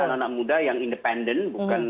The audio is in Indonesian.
anak anak muda yang independen bukan